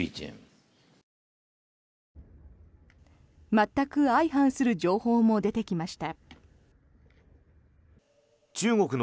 全く相反する情報も出てきました。